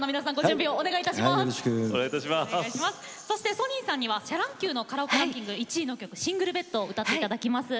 ソニンさんにはシャ乱Ｑのカラオケランキング１位の「シングルベッド」を歌っていただきます。